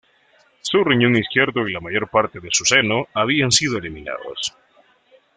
Su riñón izquierdo y la mayor parte de su seno habían sido eliminados.